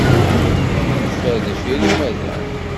Yeffer deffir umadaɣ.